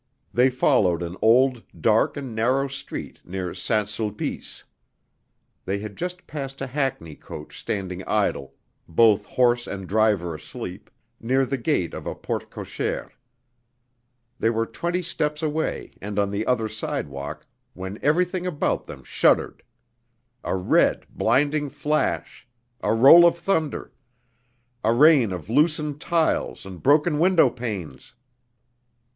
They followed an old dark and narrow street near Saint Sulpice. They had just passed a hackney coach standing idle, both horse and driver asleep, near the gate of a porte cochère. They were twenty steps away and on the other sidewalk, when everything about them shuddered: a red, blinding flash, a roll of thunder, a rain of loosened tiles and broken windowpanes!